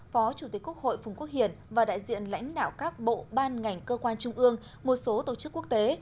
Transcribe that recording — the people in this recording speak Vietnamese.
phó chủ tịch quốc hội phùng quốc hiển và đại diện lãnh đạo các bộ ban ngành cơ quan trung ương một số tổ chức quốc tế